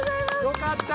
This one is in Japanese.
よかった。